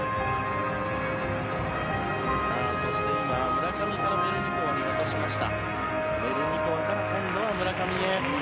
そして今、村上からメルニコワに渡しました。